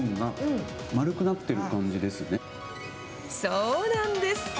そうなんです。